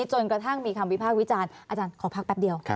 จนกระทั่งมีคำวิพากษ์วิจารณ์อาจารย์ขอพักแป๊บเดียว